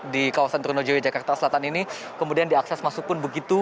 di kawasan tronojoyo jakarta selatan ini kemudian diakses masuk pun begitu